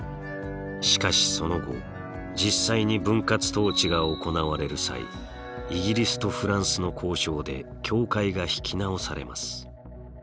しかしその後実際に分割統治が行われる際イギリスとフランスの交渉で境界が引き直されます。